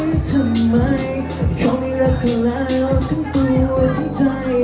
เขาไม่รักเธอแล้วทั้งตัวทั้งใจ